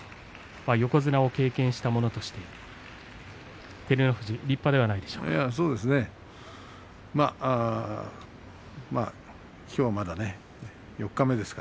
横綱を経験した者として照ノ富士、立派ではないですか。